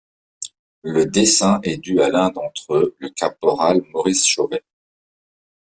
Le dessin est dû à l'un d'entre eux, le caporal Maurice Chauvet.